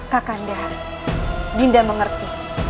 kakanda binda mengerti